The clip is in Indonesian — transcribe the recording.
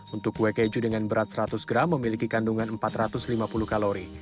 untuk kue keju dengan berat seratus gram memiliki kandungan empat ratus lima puluh kalori